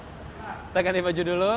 kita ganti baju dulu